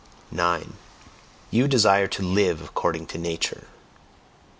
9. You desire to LIVE "according to Nature"?